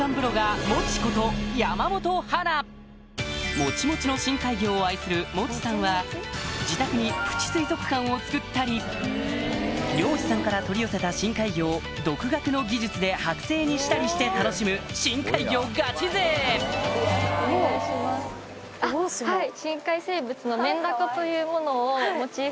もちもちの深海魚を愛するもちさんはを作ったり漁師さんから取り寄せた深海魚を独学の技術ではく製にしたりして楽しむ深海魚ガチ勢はい。